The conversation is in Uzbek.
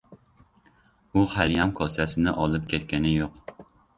U haliyam kosasini olib ketgani yo‘q.